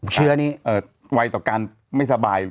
เชื้อนี้ไวต่อการไม่สบาย